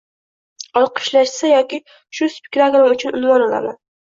Olqishlashsa yoki shu spektaklim uchun unvon olaman